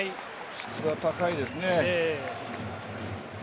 質が高いですね。